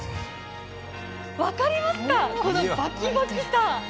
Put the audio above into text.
分かりますか、このバキバキさ。